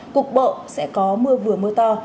cục bộ sẽ có mưa vừa mưa to